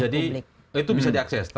jadi itu bisa diakses